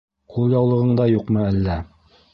— Ҡулъяулығың да юҡмы әллә?